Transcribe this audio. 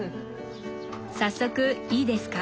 早速いいですか？